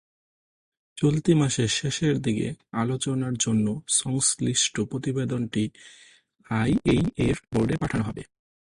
চলতি মাসের শেষের দিকে আলোচনার জন্য সংশ্লিষ্ট প্রতিবেদনটি আইএইএর বোর্ডে পাঠানো হবে।